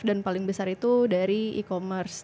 dan paling besar itu dari e commerce